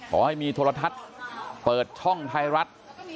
ขอให้มีโทรทัศน์เปิดช่องไทยรัฐ